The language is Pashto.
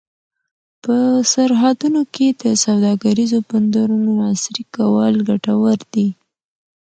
په سرحدونو کې د سوداګریزو بندرونو عصري کول ګټور دي.